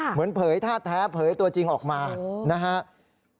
เผยท่าแท้เผยตัวจริงออกมานะครับ